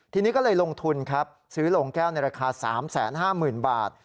ทีนี้ก็เลยลงทุนครับซื้อโรงแก้วในราคา๓๕๐๐๐บาท